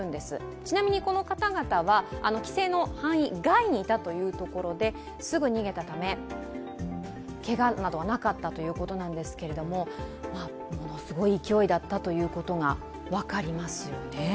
ちなみにこの方々は規制の範囲外にいてすぐ逃げたため、けがなどはなかったということですが、ものすごい勢いだったということが分かりますよね。